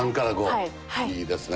いいですね。